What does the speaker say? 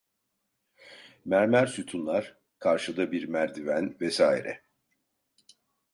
Mermer sütunlar, karşıda bir merdiven vesaire.